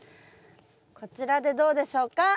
こちらでどうでしょうか！